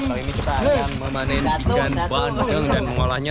kali ini kita akan memanen pindahan buah dan mengolahnya